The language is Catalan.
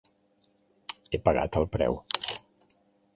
He pagat el preu.